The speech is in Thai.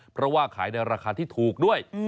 เพราะว่าขายในราคาที่ถูกด้วย